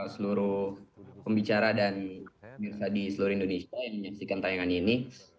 seluruh pembicara dan pemirsa di seluruh indonesia yang menyaksikan tayangan ini